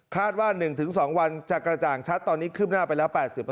ว่า๑๒วันจะกระจ่างชัดตอนนี้คืบหน้าไปแล้ว๘๐